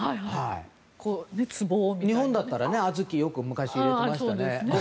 日本だったら小豆を昔よく入れてましたよね。